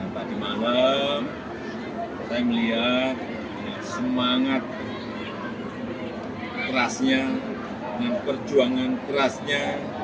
tadi malam saya melihat semangat kerasnya dan perjuangan kerasnya